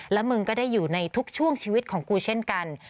แล้วมึงก็ได้อยู่ในทุกช่วงชีวิตของกูเช่นกัน